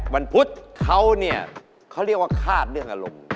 พุธเขาเนี่ยเขาเรียกว่าคาดเรื่องอารมณ์